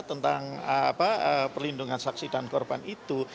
tentang perlindungan saksi dan korban itu